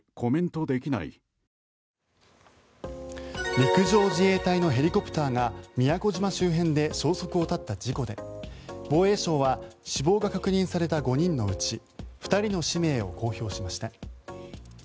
陸上自衛隊のヘリコプターが宮古島周辺で消息を絶った事故で防衛省は死亡が確認された５人のうち２人の氏名を公表しました。